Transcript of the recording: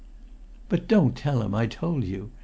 "But don't you tell him I told you!"